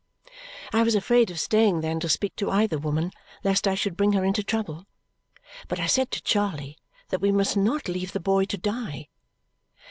I was afraid of staying then to speak to either woman, lest I should bring her into trouble. But I said to Charley that we must not leave the boy to die.